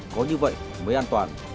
có như vậy mới an toàn